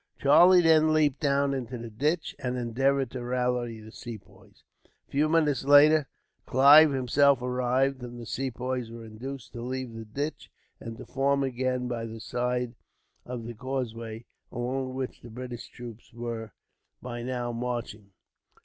Charlie then leaped down into the ditch, and endeavoured to rally the Sepoys. A few minutes later Clive himself arrived, and the Sepoys were induced to leave the ditch, and to form again by the side of the causeway, along which the British troops were now marching.